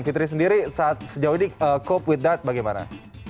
fitri sendiri sejauh ini cope with that bagaimana